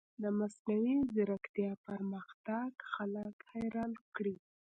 د مصنوعي ځیرکتیا پرمختګ خلک حیران کړي.